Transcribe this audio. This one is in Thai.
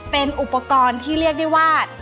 เป็นอุปกรณ์ที่เรียกได้ว่า